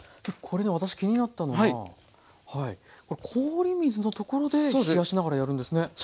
これね私気になったのが氷水のところで冷やしながらやるんですね。